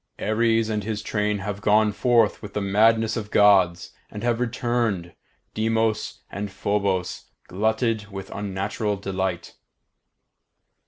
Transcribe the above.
Ares and his train have gone forth with the madness of Gods, and have returned, Deimos and Phobos glutted with unnatural delight.